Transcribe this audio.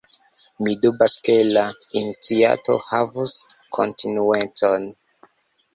Mi dubas ke la iniciato havus kontinuecon.